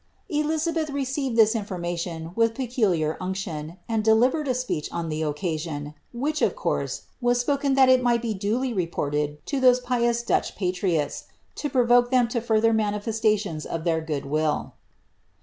Elizabeth received this information wjtli peculiar unction, and delivered a speech on the occasion, which, of course, was spokeii that it might be duly reported to those pious Dutch patriots, to provoke them to further manifestations of their good will.